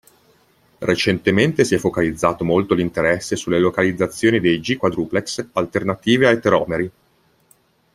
Recentemente si è focalizzato molto l'interesse sulle localizzazioni dei G-quadruplex alternative ai telomeri.